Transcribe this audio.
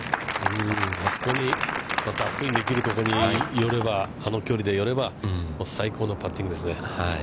あそこにカップインできるところに寄れば、あの距離で寄れば最高のパッティングですね。